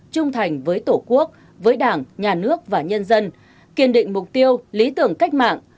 trung thành với tổ quốc với đảng nhà nước và nhân dân kiên định mục tiêu lý tưởng cách mạng